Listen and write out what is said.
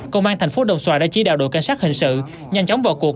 công an thành phố đồng xoài đã chỉ đạo đội cảnh sát hình sự nhanh chóng vào cuộc